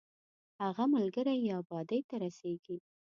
هغه ملګری یې ابادۍ ته رسېږي.